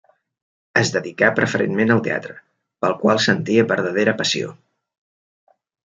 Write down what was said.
Es dedicà preferentment al teatre, pel qual sentia verdadera passió.